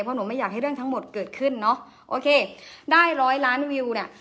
เพราะหนูไม่อยากให้เรื่องทั้งหมดเกิดขึ้นเนอะโอเคได้ร้อยล้านวิวเนี่ย